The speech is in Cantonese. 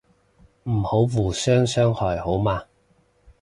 唔好互相傷害好嗎